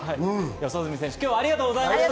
四十住選手、ありがとうございました。